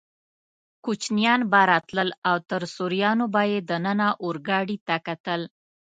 کوچنیان به راتلل او تر سوریانو به یې دننه اورګاډي ته کتل.